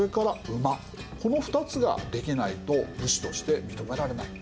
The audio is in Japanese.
この２つができないと武士として認められない。